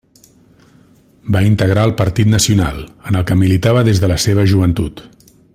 Va integrar el Partit Nacional, en el que militava des de la seva joventut.